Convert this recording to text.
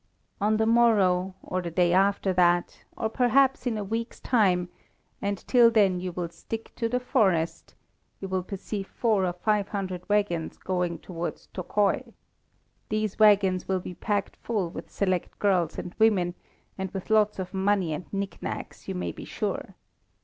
On the morrow, or the day after that, or perhaps in a week's time and till then you will stick to the forest you will perceive four or five hundred waggons going towards Tokai. These waggons will be packed full with select girls and women, and with lots of money and knickknacks, you may be sure.